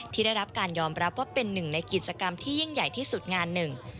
ที่ได้รับการยอมรับว่าเป็นหนึ่งในกิจกรรมที่ยิ่งใหญ่ที่สุดงานหนึ่ง